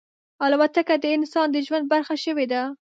الوتکه د انسان د ژوند برخه شوې ده.